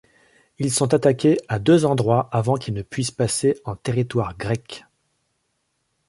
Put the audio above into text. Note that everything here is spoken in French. Ils sont attaqués à deux endroits avant qu'ils ne puissent passer en territoire grec.